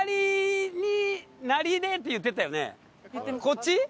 こっち？